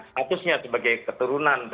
statusnya sebagai keturunan